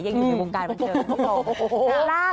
ยังอยู่ในวงการบันเชิง